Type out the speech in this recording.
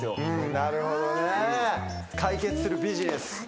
なるほどね解決するビジネス。